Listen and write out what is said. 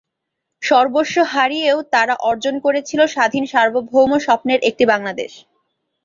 সর্বস্ব হারিয়েও তারা অর্জন করেছিল স্বাধীন সার্বভৌম স্বপ্নের একটি বাংলাদেশ।